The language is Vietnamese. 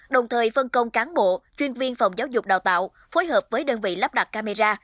đồng thời phân công cán bộ chuyên viên phòng giáo dục đào tạo phối hợp với đơn vị lắp đặt camera